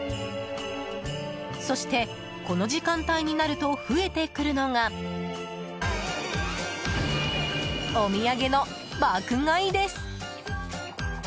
そして、この時間帯になると増えてくるのがお土産の爆買いです。